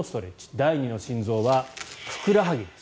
第二の心臓はふくらはぎです。